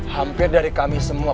hampir dari kami semua